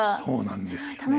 そうなんですよ。